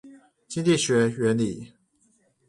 經濟學原理